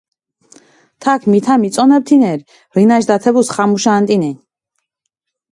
თაქ მითა მიწონებჷ თინერი, რინაშ დათებუს ხამუშა ანტინენ.